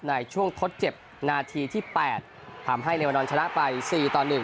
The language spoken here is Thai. ในช่วงทดเจ็บนาทีที่๘ทำให้เรวานอนชนะไป๔ต่อ๑